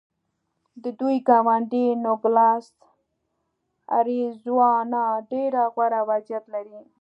د دوی ګاونډی نوګالس اریزونا ډېر غوره وضعیت لري.